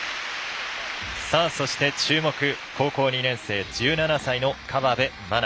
そして注目高校２年生、１７歳の河辺愛菜。